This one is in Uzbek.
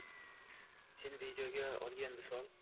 Sen vidoga ulangan visol